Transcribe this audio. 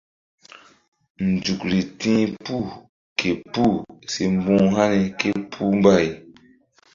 Nzukri ti̧h puh ke puh si mbu̧h hani ké puh mbay.